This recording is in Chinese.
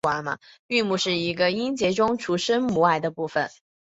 韵母是一个音节中除声母外的部分。